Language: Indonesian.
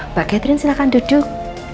mbak catherine silahkan duduk